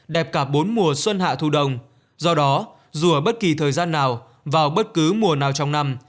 đẹp cả bốn mùa xuân hạ thu đông do đó dù ở bất kỳ thời gian nào vào bất cứ mùa nào trong năm